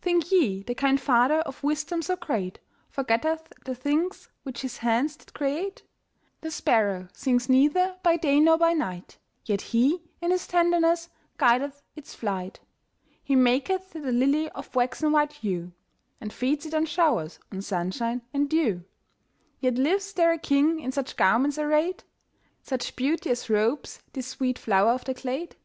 Think ye the kind Father of wisdom so great Forgetteth the things which His hands did create? The sparrow sings neither by day nor by night, Yet He, in His tenderness, guideth its flight. He maketh the lily of waxen white hue, And feeds it on showers, on sunshine and dew; Yet lives there a king in such garments arrayed? Such beauty as robes this sweet flower of the glade?